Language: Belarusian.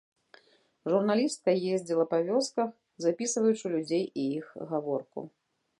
Журналістка ездзіла па вёсках, запісваючы людзей і іх гаворку.